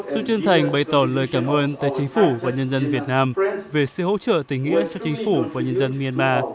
tôi chân thành bày tỏ lời cảm ơn tới chính phủ và nhân dân việt nam về sự hỗ trợ tình nghĩa cho chính phủ và nhân dân myanmar